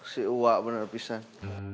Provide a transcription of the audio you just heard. si wah bener pisang